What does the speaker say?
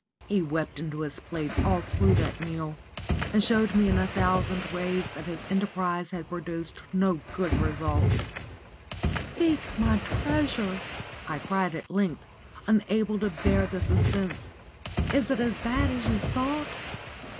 He wept into his plate all through that meal, and showed me in a thousand ways that his enterprise had produced no good results. "Speak, my treasure!" I cried at length, unable to bear the suspense; "is it as bad as you thought?"